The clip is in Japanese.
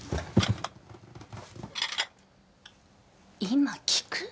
今聞く？